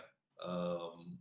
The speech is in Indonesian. tapi kalau di sini ya